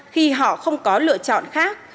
khi họ không có lựa chọn khác